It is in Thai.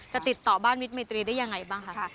จะติดต่อบ้านมิดเมตรีได้อย่างไรบ้างค่ะ